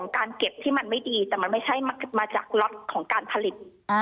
การเก็บที่มันไม่ดีแต่มันไม่ใช่มาจากล็อตของการผลิต